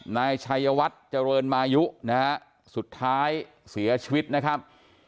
นายชัยวัฒน์เจริญมายุนะฮะสุดท้ายเสียชีวิตนะครับ